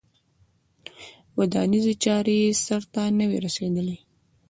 ودانیزې چارې یې سرته نه وې رسېدلې.